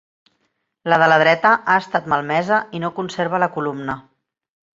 La de la dreta ha estat malmesa i no conserva la columna.